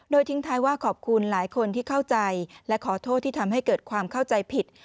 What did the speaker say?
โดยทิ้งท้ายว่าขอบคุณหลายคนที่เข้าใจและขอโทษที่ทำให้เกิดความเข้าใจผิด